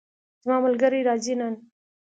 زما ملګری راځي نن